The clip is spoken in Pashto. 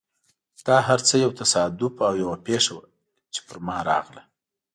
دا هر څه یو تصادف او یوه پېښه وه، چې په ما راغله.